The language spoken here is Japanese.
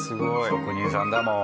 職人さんだもう。